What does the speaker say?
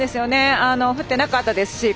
降ってなかったですし